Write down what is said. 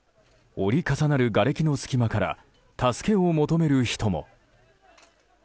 折り重なるがれきの隙間から助けを求める人も。